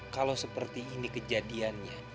kalau seperti ini kejadiannya